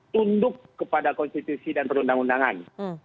tunduk kepada konstitusi dan perundang undangan